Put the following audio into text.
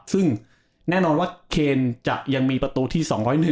ซึ่งแน่นอนว่าเคนจะยังมีประตูที่๒๐๒๒๐๓๒๐๔๒๐๕